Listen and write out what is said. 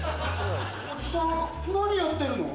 おじさん何やってるの？